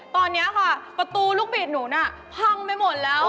ตอนนี้ค่ะประตูลูกบิดหนูน่ะพังไปหมดแล้ว